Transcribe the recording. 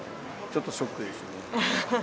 ちょっとショックですね。